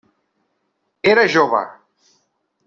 Era jove.